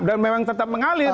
dan memang tetap mengalir